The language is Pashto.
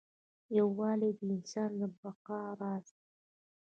یووالی د انسان د بقا راز دی.